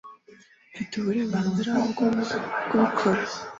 Mfite uburenganzira bwo kubikora.